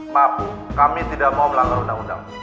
mampu kami tidak mau melanggar undang undang